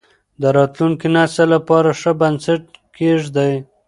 د راتلونکي نسل لپاره ښه بنسټ کېږدئ.